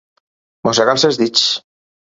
Mossegar-se els dits.